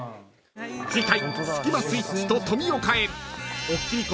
［次回］